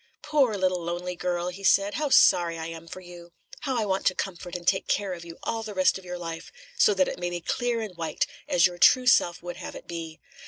"Poor, little, lonely girl!" he said. "How sorry I am for you! How I want to comfort and take care of you all the rest of your life, so that it may be clear and white, as your true self would have it be!